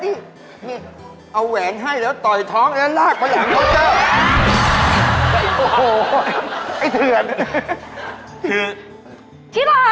นี่เอาแหวงให้แล้วต่อยท้องแล้วลากไปหลังเขาเจ้า